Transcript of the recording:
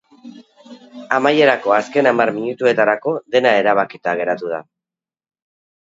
Amairako azken hamar minutuetarako dena erabakita geratu da.